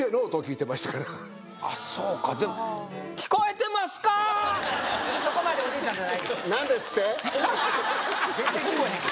あっそうかでもそこまでおじいちゃんじゃない全然聞こえへんやん